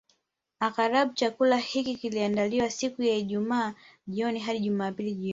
Aghalabu chakula hiki kiliandaliwa siku ya Ijumaa jioni hadi Jumapili jioni